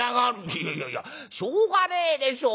「いやいやいやしょうがねえでしょう。